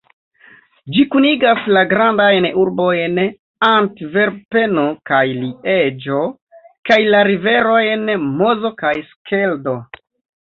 Ĝi kunigas la grandajn urbojn Antverpeno kaj Lieĝo kaj la riverojn Mozo kaj Skeldo.